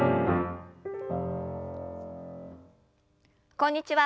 こんにちは